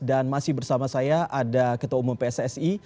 dan masih bersama saya ada ketua umum pssi